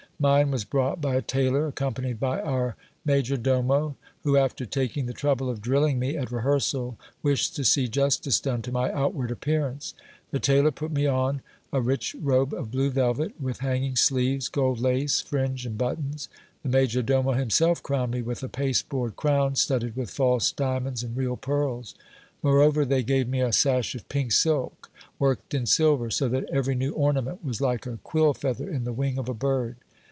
Mine was brought by a tailor, accompanied by our major domo, who, after taking the trouble of drilling me at rehearsal, wished to see justice done to my outward appearance. The tailor put me on a rich robe of blue velvet, with hanging sleeves, gold lace, fringe, and buttons : the major domo himself crowned me with a pasteboard crown, studded with false diamonds and real pearls. Moreover, they gave me a sash of pink silk worked in silver ; so that every new ornament was like a quill feather in the wing of a bird.